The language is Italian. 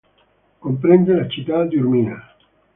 Comprende la città di Urmia.